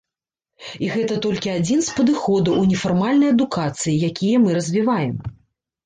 І гэта толькі адзін з падыходаў у нефармальнай адукацыі, якія мы развіваем.